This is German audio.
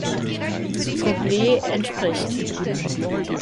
Couplet entspricht.